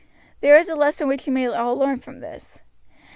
"There is a lesson which you may all learn from this.